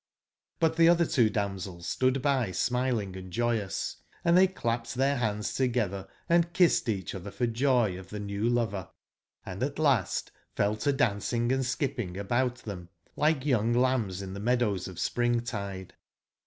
But tbe otber two damsels stood by smiling and joyous: and tbey clapped tbeir bands togetber and kissed eacb otber for joy of tbe new lover ; an d at last fell to dancingand skippingabout tbem like young lambs in tbemeadowsof spring/tide.